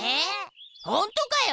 ほんとかよ！